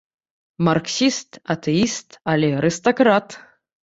Марксіст, атэіст, але арыстакрат!